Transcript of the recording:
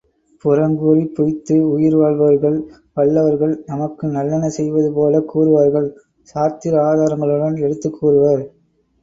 புறங்கூறிப் பொய்த்து உயிர் வாழ்பவர்கள் வல்லவர்கள், நமக்கு நல்லன செய்வது போலக் கூறுவார்கள் சாத்திர ஆதாரங்களுடன் எடுத்துக் கூறுவர்.